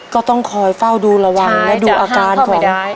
ก็ต้องคอยเฝ้าดูระวังทายดูอาการจะห้องไม่ได้